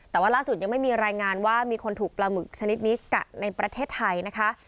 แต่ว่าล่าสุดยังไม่มีรายงานว่ามีคนถูกปลาหมึกชนิดนี้กัดในประเทศไทยนะคะ